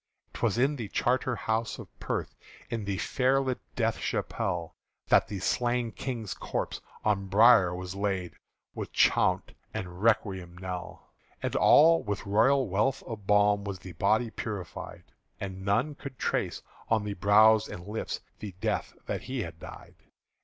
'T was in the Charterhouse of Perth, In the fair lit Death chapelle, That the slain King's corpse on bier was laid With chaunt and requiem knell. And all with royal wealth of balm Was the body purified; And none could trace on the brow and lips The death that he had died.